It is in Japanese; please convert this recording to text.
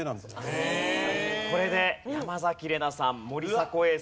これで山崎怜奈さん森迫永依さん